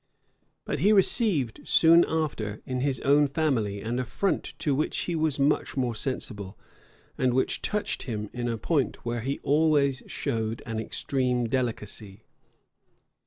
But he received soon after, in his own family, an affront to which he was much more sensible, and which touched him in a point where he always showed an extreme delicacy.